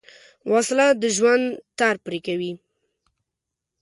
وسله د ژوند تار پرې کوي